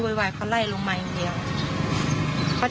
และที่สำคัญก็มีอาจารย์หญิงในอำเภอภูสิงอีกเหมือนกัน